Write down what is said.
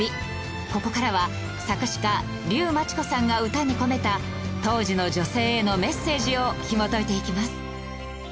ここからは作詞家竜真知子さんが歌に込めた当時の女性へのメッセージをひもといていきます。